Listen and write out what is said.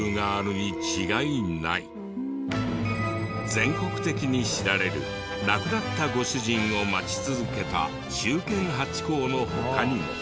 全国的に知られる亡くなったご主人を待ち続けた忠犬ハチ公の他にも。